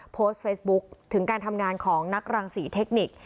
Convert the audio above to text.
โพสต์เฟซบุ๊คถึงการทำงานของนักรังศรีเทคนิค